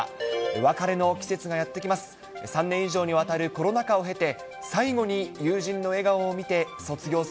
別れの季節がやって来ます。